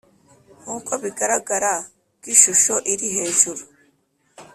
Nk uko bigaragara ku ishusho iri hejuru